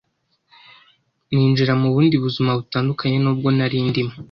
ninjira mu bundi buzima butandukanye n’ubwo nari ndimo.